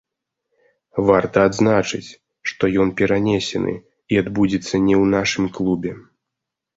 Варта адзначыць, што ён перанесены і адбудзецца не ў нашым клубе.